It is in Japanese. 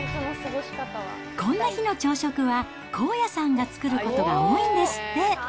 こんな日の朝食は、こうやさんが作ることが多いんですって。